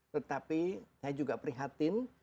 tetapi saya juga prihatin